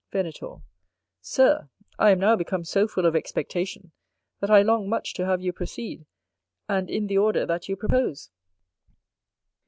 Venator. Sir, I am now become so full of expectation, that I long much to have you proceed, and in the order that you propose.